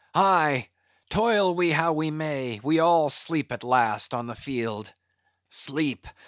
Aye, toil we how we may, we all sleep at last on the field. Sleep?